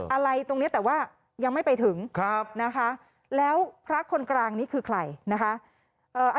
อะไรตรงนี้แต่ว่ายังไม่ไปถึงนะคะแล้วพระคนกลางนี้คือใครนะคะ